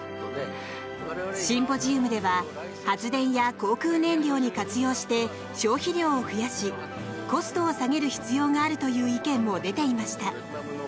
シンポジウムでは発電や航空燃料に活用して消費量を増やしコストを下げる必要があるという意見も出ていました。